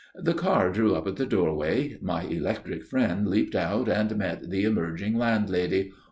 The car drew up at the doorway. My electric friend leaped out and met the emerging landlady.